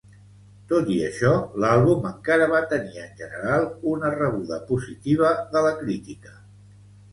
Tot i això, l'àlbum encara va tenir en general una rebuda positiva de la crítica.